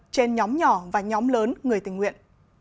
trên nhóm nhỏ và nhóm lớn người tình nguyện